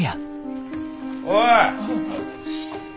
おい！